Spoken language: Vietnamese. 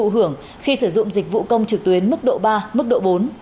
và được thụ hưởng khi sử dụng dịch vụ công trực tuyến mức độ ba mức độ bốn